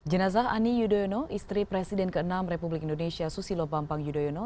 jenazah ani yudhoyono istri presiden ke enam republik indonesia susilo bambang yudhoyono